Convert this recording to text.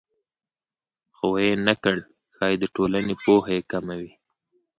خو ویې نه کړ ښایي د ټولنې پوهه یې کمه وي